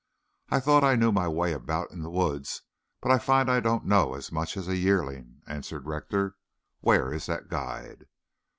"I thought I knew my way about in the woods, but I find I don't know as much as a yearling," answered Rector. "Where is that guide?"